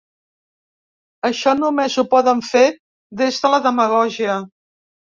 Això només ho poden fer des de la demagògia.